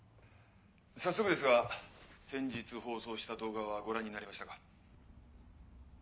早速ですが先日放送した動画はご覧になりましたか？